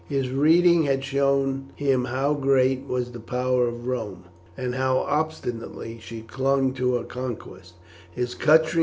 His reading had shown him how great was the power of Rome, and how obstinately she clung to her conquests.